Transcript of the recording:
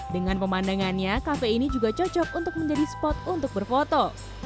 dengan pemandangannya kafe ini juga cocok untuk menjadi spot untuk berfoto